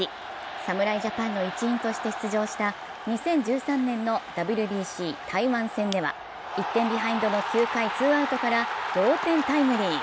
侍ジャパンの一員として出場した２０１３年のＷＢＣ台湾戦では１点ビハインドの９回ツーアウトから同点タイムリー。